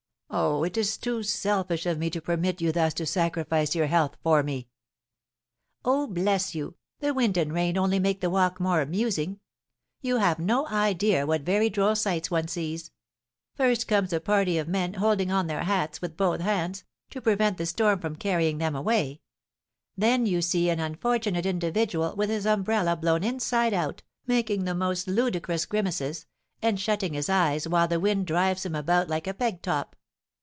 Oh, it is too selfish of me to permit you thus to sacrifice your health for me!" "Oh, bless you, the wind and rain only make the walk more amusing. You have no idea what very droll sights one sees, first comes a party of men holding on their hats with both hands, to prevent the storm from carrying them away; then you see an unfortunate individual with his umbrella blown inside out, making the most ludicrous grimaces, and shutting his eyes while the wind drives him about like a peg top.